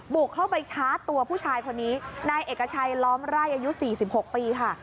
บุกเข้าไปชาร์จตัวผู้ชายคนนี้นายเอกชัยล้อมไร่อายุ๔๖ปีค่ะ